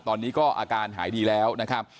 ตอนนี้ก็อาการหายดีแล้วนะครับ